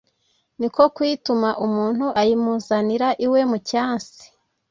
ni ko kuyituma umuntu ayimuzanira iwe mu cyansi